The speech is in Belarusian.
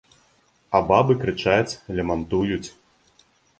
А бабы крычаць, лямантуюць.